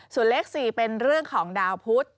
ส่วนเลข๔เป็นเรื่องของดาวพุทธ